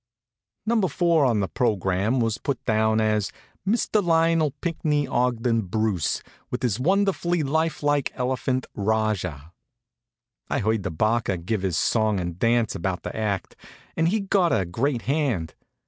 Number four on the programme was put down as: "Mr. Lionel Pinckney Ogden Bruce, with his wonderfully life like elephant Rajah." I heard the barker givin' his song an' dance about the act, and he got a great hand.